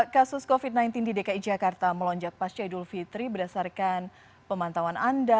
kasus covid sembilan belas di dki jakarta melonjak pasca idul fitri berdasarkan pemantauan anda